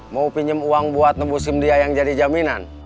mau pinjem uang buat nembusim dia yang jadi jaminan